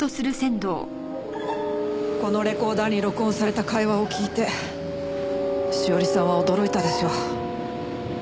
このレコーダーに録音された会話を聞いて詩織さんは驚いたでしょう。